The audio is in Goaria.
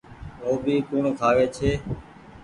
گوڀي ڪوڻ کآوي ڇي۔